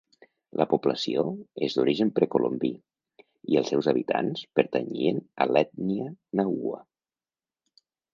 La població és d'origen precolombí, i els seus habitants pertanyien a l'ètnia nahua.